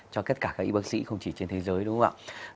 cho tất cả các y bác sĩ không chỉ trên thế giới đúng không ạ